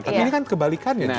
tapi ini kan kebalikannya